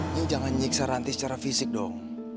nyi jangan nyiksa ranti secara fisik dong